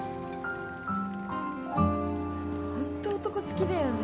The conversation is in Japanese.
ホント男好きだよね